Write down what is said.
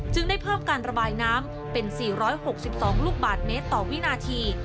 ได้เพิ่มการระบายน้ำเป็น๔๖๒ลูกบาทเมตรต่อวินาที